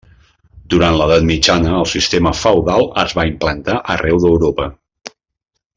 Durant l'edat mitjana el sistema feudal es va implantar arreu d'Europa.